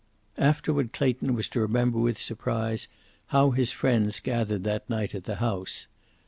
Afterward Clayton was to remember with surprise how his friends gathered that night at the house.